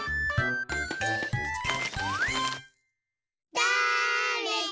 だれだ？